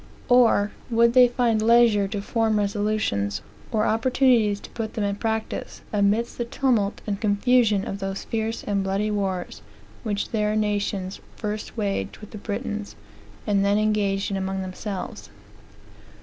Or, would they find leisure to form resolutions, or opportunities to put them in practice, amidst the tumult and confusion of those fierce and bloody wars, which their nations first waged with the Britons, and then engaged in among themselves?